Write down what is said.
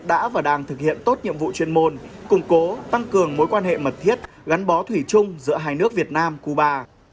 đã và đang thực hiện tốt nhiệm vụ chuyên môn củng cố tăng cường mối quan hệ mật thiết gắn bó thủy chung giữa hai nước việt nam cuba